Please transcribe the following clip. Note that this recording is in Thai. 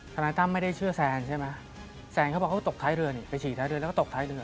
นายตั้มไม่ได้เชื่อแซนใช่ไหมแซนเขาบอกเขาตกท้ายเรือนี่ไปฉี่ท้ายเรือแล้วก็ตกท้ายเรือ